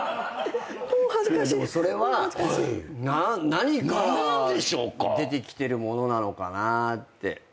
何から出てきてるものなのかなって。